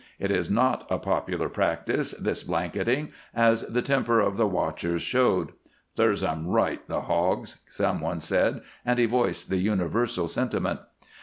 It is not a popular practice, this blanketing, as the temper of the watchers showed. "Serves 'em right, the hogs," some one said, and he voiced the universal sentiment.